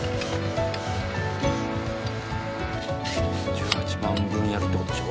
１８番分やるって事でしょ？